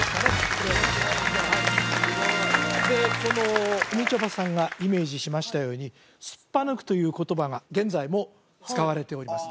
黒柳さんでこのみちょぱさんがイメージしましたように「すっぱ抜く」という言葉が現在も使われております